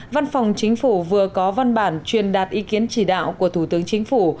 văn phòng chính phủ vừa có văn bản truyền đạt ý kiến chỉ đạo của thủ tướng chính phủ